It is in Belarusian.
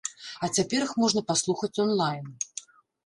А цяпер іх можна паслухаць он-лайн.